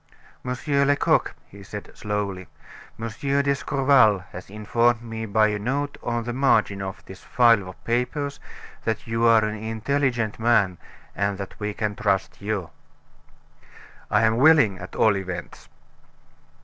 Monsieur Lecoq," he said, slowly, "Monsieur d'Escorval has informed me by a note on the margin of this file of papers that you are an intelligent man, and that we can trust you." "I am willing, at all events."